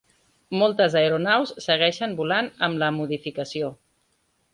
Moltes aeronaus segueixen volant amb la modificació.